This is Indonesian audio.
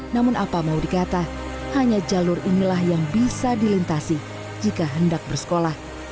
namun apa mau dikata hanya jalur inilah yang bisa dilintasi jika hendak bersekolah